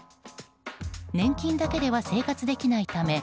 年金だけでは生活できないため